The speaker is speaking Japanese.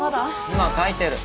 今書いてる。